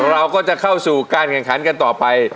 เราก็จะเข้าสู่การกันขันต่อไป